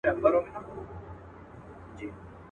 یوه ورځ به زه هم تا دلته راوړمه.